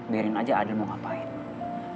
biarin aja adil mau ngapain